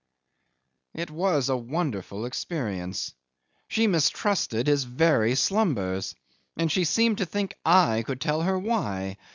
'It was a wonderful experience. She mistrusted his very slumbers and she seemed to think I could tell her why!